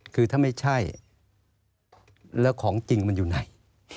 คือถ้าไม่ใช่แล้วของจริงมันอยู่ไหน